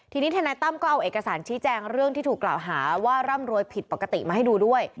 ทีนี้ทนายตั้มก็เอาเอกสารชี้แจงเรื่องที่ถูกกล่าวหาว่าร่ำรวยผิดปกติมาให้ดูด้วย